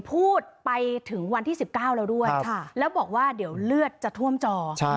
พูดไปถึงวันที่๑๙แล้วด้วยแล้วบอกว่าเดี๋ยวเลือดจะท่วมจอ